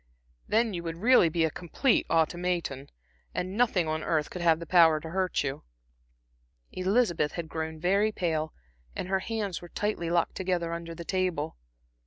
Then you would really be a complete automaton, and nothing on earth could have power to hurt you." Elizabeth had grown very pale, and her hands were tightly locked together under the table.